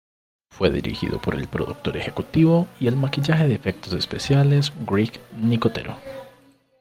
Fue dirigido por el productor ejecutivo y el maquillaje de efectos especiales Greg Nicotero.